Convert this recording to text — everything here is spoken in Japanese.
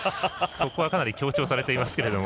そこは、かなり強調されてますけれども。